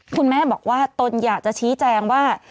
คุณแม่บอกว่าตนอยากจะชี้แจงว่า